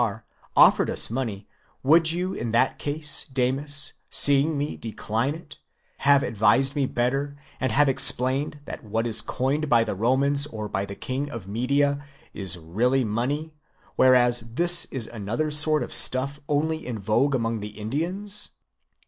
are, offered us money, would you in that case, Damis, seeing me decline it, have advised me better and have explained, that what is coined by the Romans or by the king of Media is really money, whereas this is another sort of stuff only in vogue among the Indians?)